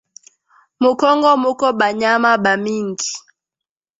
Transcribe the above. Mu kongo muko ba nyama ba mingi